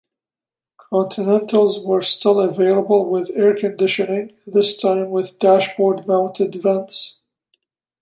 Continentals were still available with air conditioning, this time with dashboard-mounted vents.